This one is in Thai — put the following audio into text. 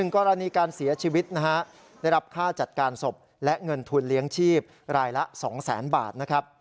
กรณีการเสียชีวิตนะฮะได้รับค่าจัดการศพและเงินทุนเลี้ยงชีพรายละ๒๐๐๐๐บาทนะครับ